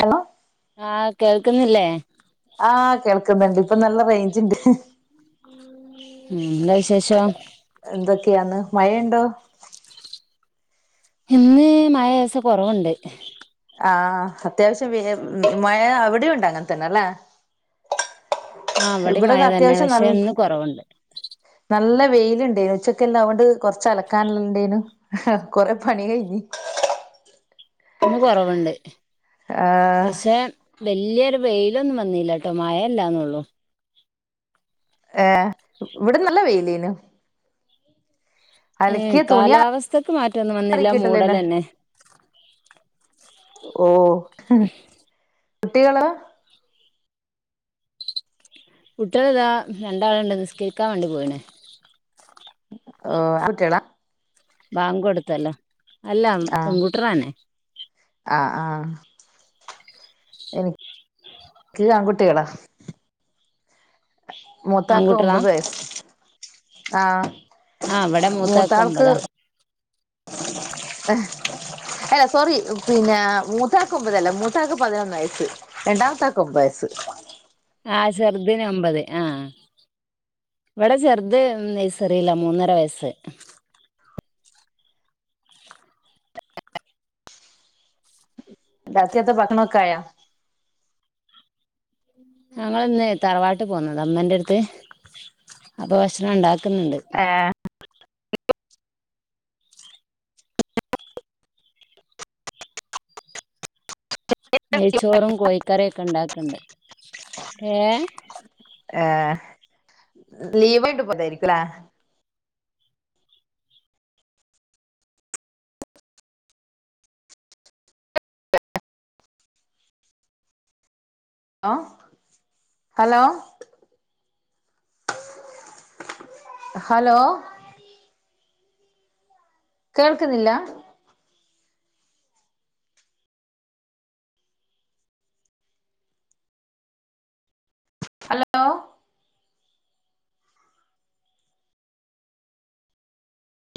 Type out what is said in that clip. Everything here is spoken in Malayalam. ഹലോ ആഹ് കേൾക്കുന്നില്ലേ ആഹ് കേൾക്കുന്നുണ്ട് ഇപ്പൊ നല്ല റേഞ്ച്ണ്ട് ഉം ന്താവിശേഷം എന്തൊക്കെയാന്ന് മഴയ്ണ്ടോ ഇന്ന് മയലേസം കൊറവ്ണ്ട് ആ അത്യാവശ്യം വെ മഴ അവിടെ ഉണ്ട് അങ്ങന് തന്നെ ല്ലേ ആഹ് ഇവിടേം മഴ ഇവടതാ തന്നെ അത്യാവശ്യം നൽ പക്ഷെ ഇന്ന് കൊറവുണ്ട് നല്ല വെയിലുണ്ടേന് ഉച്ചക്കെല്ലാം അൊണ്ട് കുറച്ച് അലക്കാന ഉണ്ടേന് ഹാ കൊറെ പണി കയിഞ് ഇന്ന് കൊറവ്ണ്ട് ആഹ് പക്ഷെ വെല്ല്യോരു വെയിലൊന്നും വന്നീല്ലട്ടോ മഴ ഇല്ലാന്നൊള്ളു ഏഹ് ഇവിട നല്ല വെയിലേയ്നു ഏഹ് തുണി കാലാവസ്ഥക്ക് മാറ്റൊന്നും വന്നില്ല ആറിക്കിട്ടല്ലേന്നെ മൂടലന്നെ ഓഹ് ഉം കുട്ടിക ള് കുടട്ട്യേൾതാ രണ്ടാൾണ്ട് നിസ്കരിക്കാൻ വാണ്ടി പോയിണ് ഓഹ് അനക് ബാങ്ക് കൊടുത്തല്ലോ അല്ല ആഹ് പെൺങ്കൂട്ടർനെ ആഹ് ആഹ് എനിക്ക് ആൺകുട്ടികളാ മൂത്താക്ക് ആൺകുട്ടികളാ ഒമ്പത് വയസ് ആഹ് ആഹ് വടെ മൂത്താൾക്ക് മൂത്താക്കൊമ്പതാ അല്ല സോറി പിന്നെ മൂറത്താക്ക് ഒൻമ്പതല്ല മൂറത്താക്ക് പതിനൊന്ന് വയസ്സ് രണ്ടാംത്താക്ക് ഒമ്പയസ്സു ആ സെറ്തിന് ഒമ്പത് ആഹ് ഇവടെ ചെറ്ത് നെയ്സെറീലാ മൂന്നര വയസ്സ് രാത്രികാത്തെ ഭക്കണോക്കായ ഞങ്ങൾ ഇന്ന് തറവാട്ട് പോന്ന ഉമ്മേന്റെര്ത്ത് അപ്പൊ ഭക്ഷണം ഉണ്ടാക്കുന്ന്ണ്ട് ഏ നെയ്ച്ചോറും കോഴിക്കറിഒക്കെ ണ്ടാക്ക്ണ്ട് ഏഹ് ഏ ലീവായിട്ട് പോന്നായിരിക്കുഅല്ലെ ഹലോ ഹലോ കേൾക്കുന്നില്ല ഹലോ